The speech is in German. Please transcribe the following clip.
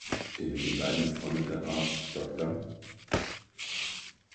Der mit den beiden befreundete Arzt Dr.